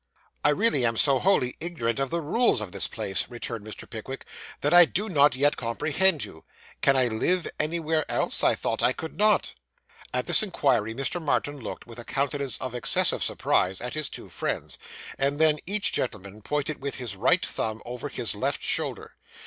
'I really am so wholly ignorant of the rules of this place,' returned Mr. Pickwick, 'that I do not yet comprehend you. Can I live anywhere else? I thought I could not.' At this inquiry Mr. Martin looked, with a countenance of excessive surprise, at his two friends, and then each gentleman pointed with his right thumb over his left shoulder.